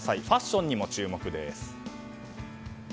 ファッションにも注目です。